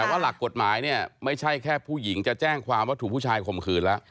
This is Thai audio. แต่ว่าหลักกฎหมายเนี่ยไม่ใช่แค่ผู้หญิงจะแจ้งความว่าถูกผู้ชายข่มขืนแล้ว